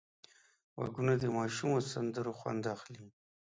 غوږونه د ماشومو سندرو خوند اخلي